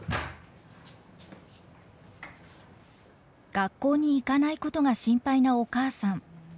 学校に行かないことが心配なお母さん。